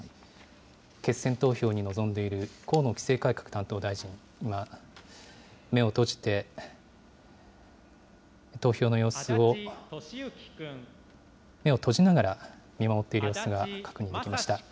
決選投票に臨んでいる河野規制改革担当大臣、今、目を閉じて、投票の様子を、目を閉じながら見守っている様子が確認できました。